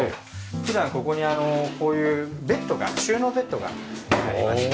普段ここにこういうベッドが収納ベッドがありまして。